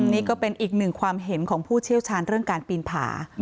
นี่ก็เป็นอีกหนึ่งความเห็นของผู้เชี่ยวชาญเรื่องการปีนผา